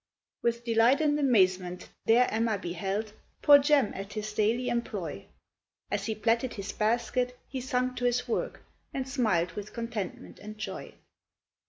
With delight and amazement there Emma beheld Poor Jem at his daily employ; As he platted his basket, he sung to his work, And smil'd with contentment and joy.